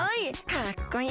かっこいい！